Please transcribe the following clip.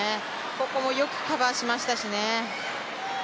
ここもよくカバーしましたしね。